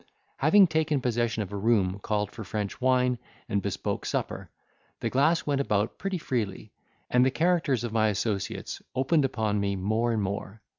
Having taken possession of a room, called for French wine, and bespoke supper, the glass went about pretty freely, and the characters of my associates opened upon me more and more.